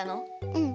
うん！